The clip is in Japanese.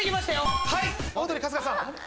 ピンポンオードリー・春日さん。